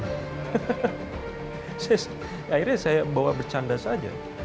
akhirnya saya bawa bercanda saja